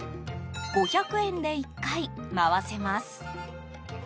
５００円で１回、回せます。